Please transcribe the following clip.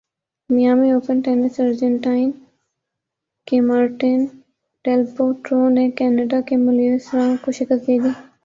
Miami Open tennis Argentine کے Martin Del Potro نے Canada کے ملیوس رانک کو شکست دے دی